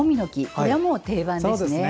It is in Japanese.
これはもう定番ですね。